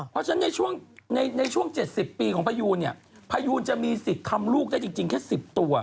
เพราะฉะนั้นในช่วง๗๐ปีของพยูนเนี่ยพยูนจะมีสิทธิ์ทำลูกได้จริงแค่๑๐ตัว